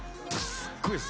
すごいっす。